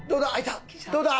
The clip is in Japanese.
どうだ？